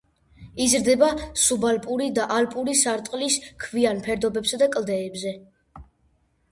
იზრდება სუბალპური და ალპური სარტყლის ქვიან ფერდობებსა და კლდეებზე.